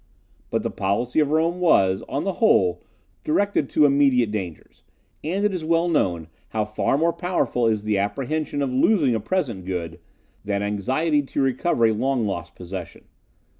But the policy of Rome was, on the whole, directed to immediate dangers; and it is well known how far more powerful is the apprehension of losing a present good, than anxiety to recover a long lost possession.